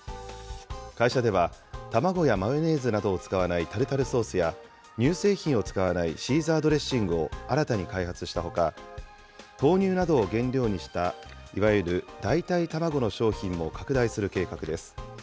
会社では、卵やマヨネーズなどを使わないタルタルソースや、乳製品を使わないシーザードレッシングを新たに開発したほか、豆乳などを原料にした、いわゆる代替卵の商品も拡大する計画です。